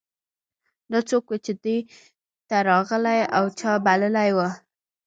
دا څوک و چې دې ته راغلی و او چا بللی و